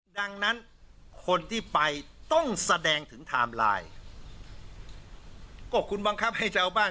ดังนั้นคนที่ไปต้องแสดงถึงไทม์ไลน์ก็คุณบังคับให้ชาวบ้าน